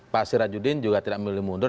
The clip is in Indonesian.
pak sirajudin juga tidak memilih mundur